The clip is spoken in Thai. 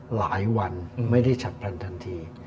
หลายวันไม่ได้ฉับพลันทันที